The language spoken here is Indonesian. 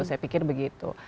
saya pikir begitu